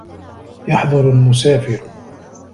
يَحْضُرُ الْمُسَافِرُ.